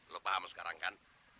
lo paham sekarang kan